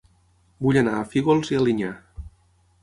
Vull anar a Fígols i Alinyà